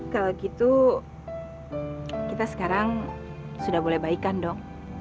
kalau gitu kita sekarang sudah mulai baikan dong